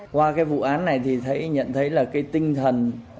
qua cái vụ án này thì nhận thấy là cái tinh thần